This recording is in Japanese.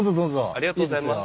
ありがとうございます。